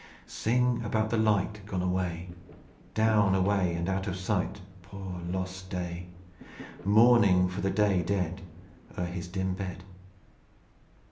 "Sing about the light Gone away; Down, away, and out of sight Poor lost Day! Mourning for the Day dead, O'er his dim bed."